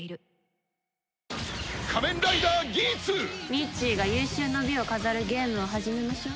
ミッチーが有終の美を飾るゲームを始めましょう。